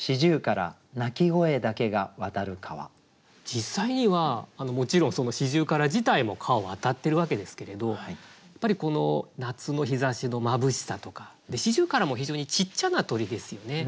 実際にはもちろん四十雀自体も川を渡ってるわけですけれどやっぱりこの夏の日ざしのまぶしさとか四十雀も非常にちっちゃな鳥ですよね。